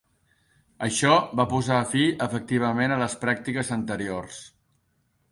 Això va posar fi efectivament a les pràctiques anteriors.